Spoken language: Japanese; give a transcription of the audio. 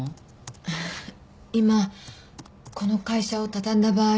あっ今この会社を畳んだ場合